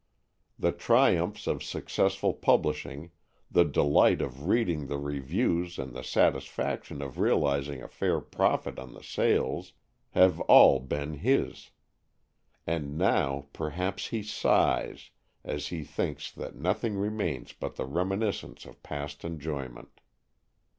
The triumphs of successful publishing, the delight of reading the reviews and the satisfaction of realizing a fair profit on the sales, have all been his. And now perhaps he sighs as he thinks that nothing remains but the reminiscence of past enjoyment.